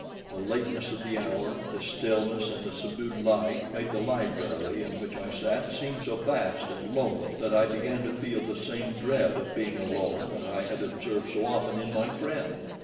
The lateness of the hour, the stillness and the subdued light, made the library in which I sat seem so vast and lonely that I began to feel the same dread of being alone that I had observed so often in my friend.